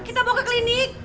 kita bawa ke klinik